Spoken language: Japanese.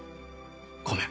ごめん。